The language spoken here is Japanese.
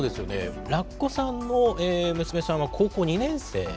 ラッコさんの娘さんは高校２年生。